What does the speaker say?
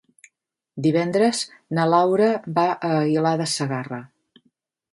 Divendres na Laura va a Aguilar de Segarra.